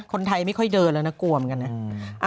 คนไทยไม่ค่อยเดินแล้วนะกลัวเหมือนกันนะ